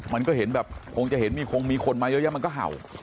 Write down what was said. มันก็เห็นแบบคงจะเห็นมีคงมีคนมาเยอะแยะมันก็เห่า